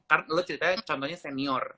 karena lo ceritanya contohnya senior